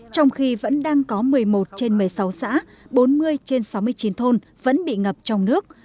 trong khi vẫn đang có một mươi một trên một mươi sáu xã bốn mươi trên sáu mươi chín thôn vẫn bị ngập trong nước